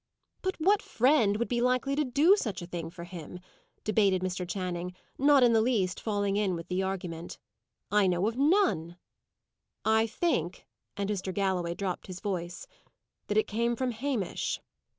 "But what friend would be likely to do such a thing for him?" debated Mr. Channing, not in the least falling in with the argument. "I know of none." "I think" and Mr. Galloway dropped his voice "that it came from Hamish."